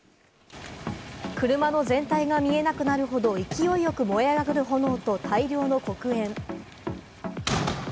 車の全体が見えなくなるほど、勢いよく燃え上がる炎と大量の黒煙。